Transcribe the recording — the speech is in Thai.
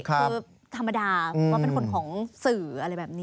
คือธรรมดาว่าเป็นคนของสื่ออะไรแบบนี้